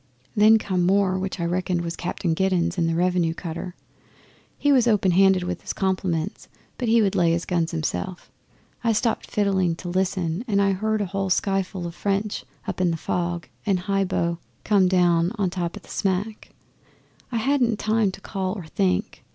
Then come more, which I reckoned was Captain Giddens in the Revenue cutter. He was open handed with his compliments, but he would lay his guns himself. I stopped fiddling to listen, and I heard a whole skyful o' French up in the fog and a high bow come down on top o' the smack. I hadn't time to call or think.